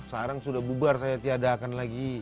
sekarang sudah bubar saya tiadakan lagi